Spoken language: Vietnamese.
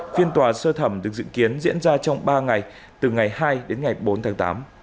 phiên tòa sơ thẩm được dự kiến diễn ra trong ba ngày từ ngày hai đến ngày bốn tháng tám